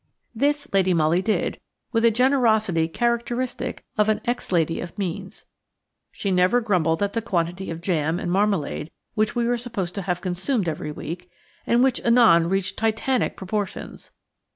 This Lady Molly did, with a generosity characteristic of an ex lady of means. She never grumbled at the quantity of jam and marmalade which we were supposed to have consumed every week, and which anon reached titanic proportions.